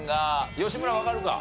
吉村わかるか？